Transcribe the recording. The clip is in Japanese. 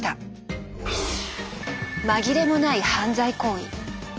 紛れもない犯罪行為。